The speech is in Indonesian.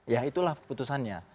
ya itulah putusannya